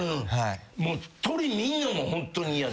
もう鶏見んのもホントに嫌で。